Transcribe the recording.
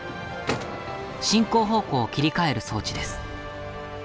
進行方向を切り替える装置です。